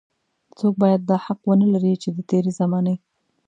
څوک بايد دا حق ونه لري چې د تېرې زمانې.